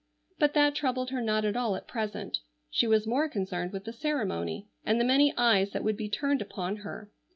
But that troubled her not at all at present. She was more concerned with the ceremony, and the many eyes that would be turned upon her.